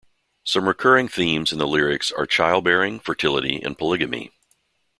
Some recurring themes in the lyrics are childbearing, fertility, and polygamy.